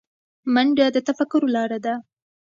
منډه د تفکر لاره ده